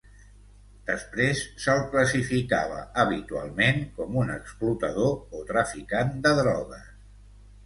Després, se'l classificava habitualment com un explotador o traficant de drogues.